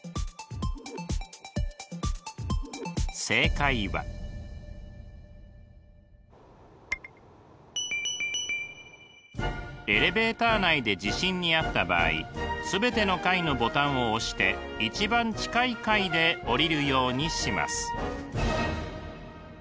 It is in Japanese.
正解はエレベーター内で地震にあった場合すべての階のボタンを押して一番近い階でおりるようにします。